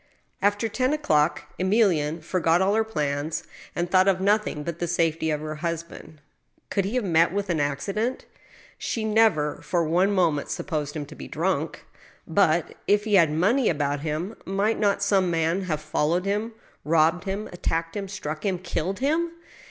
After ten o'clock Emilienne forgot all her plans, and thought of nothing but the safety of her husband. Could he have met with an accident ? She never for one moment supposed him to be drunk ; but, if he had money about him, might not some man have followed him, robbed him, attacked him, struck him, killed him